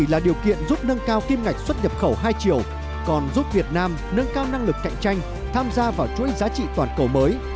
là điều kiện giúp nâng cao kim ngạch xuất nhập khẩu hai triệu còn giúp việt nam nâng cao năng lực cạnh tranh tham gia vào chuỗi giá trị toàn cầu mới